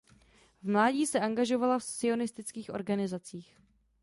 V mládí se angažovala v sionistických organizacích.